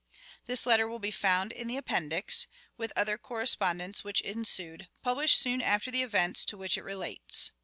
This letter will be found in the Appendix, with other correspondence which ensued, published soon after the events to which it relates.